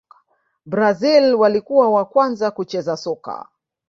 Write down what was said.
brazil walikuwa wa kwanza kucheza soka